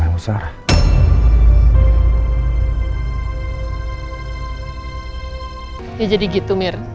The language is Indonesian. ya jadi gitu mir